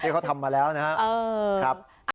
เขาทำมาแล้วนะครับ